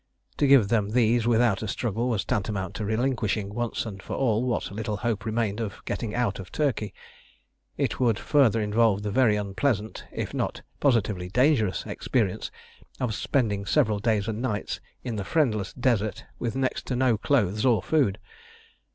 To give them these without a struggle was tantamount to relinquishing once and for all what little hope remained of getting out of Turkey; it would further involve the very unpleasant, if not positively dangerous, experience of spending several days and nights in the friendless desert, with next to no clothes or food.